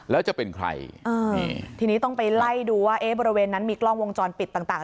แล้วจะเป็นใครทีนี้ต้องไปไล่ดูว่าเอ๊ะบริเวณนั้นมีกล้องวงจรปิดต่าง